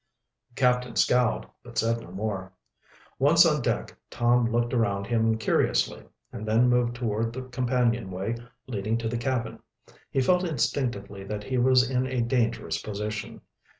The captain scowled, but said no more. Once on deck Tom looked around him curiously, and then moved toward the companion way leading to the cabin. He felt instinctively that he was in a dangerous position.